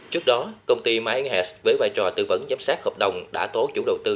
trước đó công ty mynghast với vai trò tư vấn giám sát hợp đồng đã tố chủ đầu tư